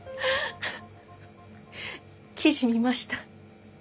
記事見ました。